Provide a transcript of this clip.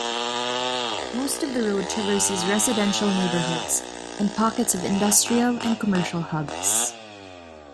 Most of the road traverses residential neighbourhoods and pockets of industrial and commercial hubs.